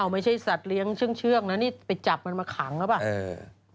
ไม่ใช่สัตว์เลี้ยงเชื่องนะนี่ไปจับมันมาขังหรือเปล่า